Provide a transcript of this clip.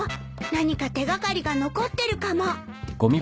何か手掛かりが残ってるかも。